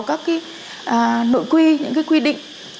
các cái nội quy những cái quy định